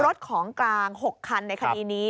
รถของกลาง๖คันในคดีนี้